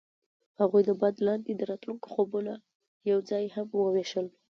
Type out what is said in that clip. هغوی د باد لاندې د راتلونکي خوبونه یوځای هم وویشل.